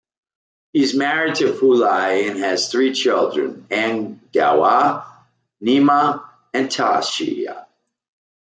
He is married to Fulli and has three children-Ang Dawa, Nima, and Tashi.